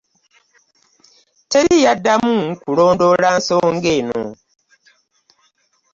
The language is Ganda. Teri yaddamu kulondoola nsonga eno.